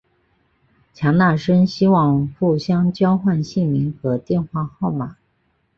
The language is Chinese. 强纳森希望互相交换姓名和电话号码。